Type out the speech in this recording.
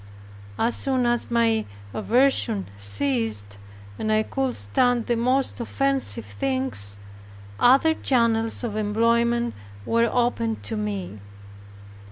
As soon as my aversion ceased, and I could stand the most offensive things, other channels of employment were opened to me.